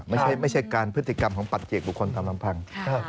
ไม่ใช่การพฤติกรรมของปัจเจกบุคคลตามลำพัง